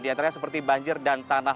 di antaranya seperti banjir dan tanah